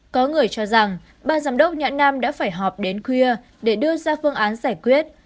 có người cho rằng ba giám đốc nhãn nam đã phải họp đến khuya để đưa ra phương án giải quyết